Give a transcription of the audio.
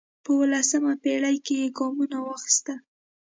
په اوولسمه پېړۍ کې یې ګامونه واخیستل